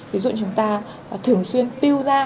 ví dụ như chúng ta thường xuyên peel da